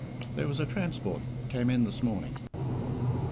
"There was a transport came in this morning."